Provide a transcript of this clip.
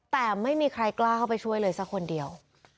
แต่ไม่มีใครกล้าเข้าไปช่วยเลยสักคนเดียว